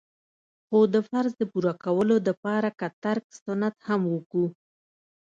خو د فرض د پوره کولو د پاره که ترک سنت هم وکو.